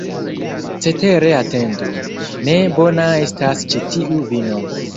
Cetere atendu, ne bona estas ĉi tiu vino!